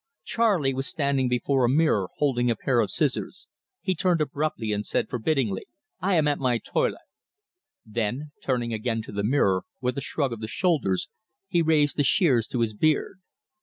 Charley was standing before a mirror, holding a pair of scissors. He turned abruptly, and said forbiddingly: "I am at my toilet!" Then, turning again to the mirror, with a shrug of the shoulders, he raised the shears to his beard.